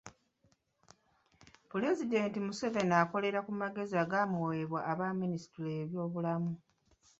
Pulezidenti Museveni akolera ku magezi agamuweebwa aba minisitule y’ebyobulamu.